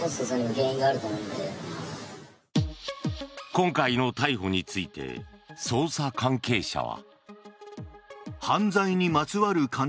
今回の逮捕について捜査関係者は。